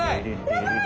やばい！